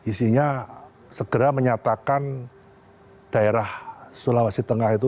isinya segera menyatakan daerah sulawesi tengah itu